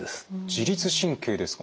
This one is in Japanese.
自律神経ですか。